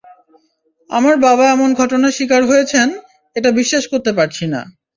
আমার বাবা এমন ঘটনার শিকার হয়েছেন, এটা বিশ্বাস করতে পারছি না।